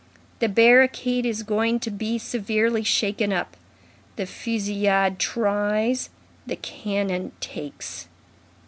The barricade is going to be severely shaken up. The fusillade tries, the cannon takes."